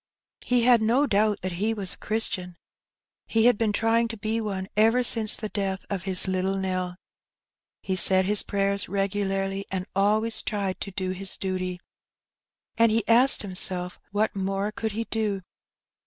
He had no doubt that he was a Christian, He had been trying to be one ever since the death of his little Nell; he said his prayers regularly, and always tried to do his duty; and he asked himself what more could he do.